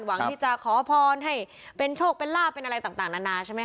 หวังครับที่จะขอพรให้เป็นทรีย์โชคเป็นหลาด